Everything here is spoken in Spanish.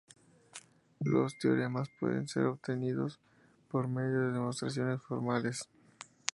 Los teoremas pueden ser obtenidos por medio de demostraciones formales.